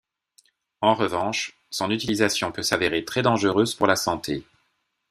En revanche, son utilisation peut s'avérer très dangereuse pour la santé.